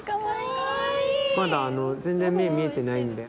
まだ全然目見えてないんで。